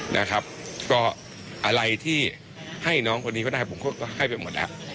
นะครับก็อะไรที่ให้น้องคนนี้ก็ได้ผมก็ให้ไปหมดอ่ะ